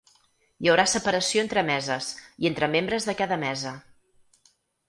Hi haurà separació entre meses i entre membres de cada mesa.